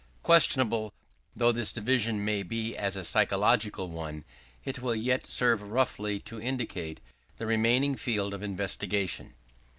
_ Questionable though this division may be as a psychological one, it will yet serve roughly to indicate the remaining field of investigation.